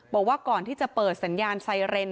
บอกว่าก่อนที่จะเปิดสัญญาณไซเรน